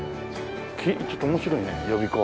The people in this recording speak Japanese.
ちょっと面白いね予備校。